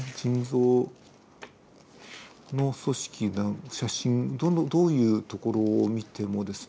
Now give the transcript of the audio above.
腎臓の組織の写真どういうところを見てもですね